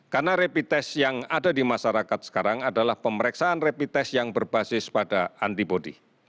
karena rapid test yang ada di masyarakat sekarang adalah pemeriksaan rapid test yang berbasis pada antibody